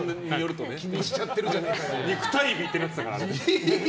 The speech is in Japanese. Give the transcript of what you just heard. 肉体美ってなってたからね。